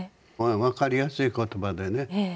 分かりやすい言葉でね